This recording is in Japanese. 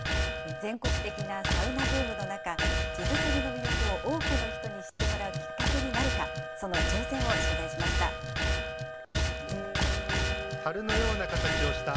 全国的なサウナブームの中、智頭杉の魅力を多くの人に知ってもらうきっかけになるか、その挑戦を取材しました。